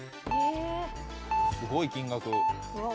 「すごい金額」